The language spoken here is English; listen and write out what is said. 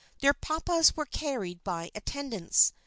Their papas were carried by attendants.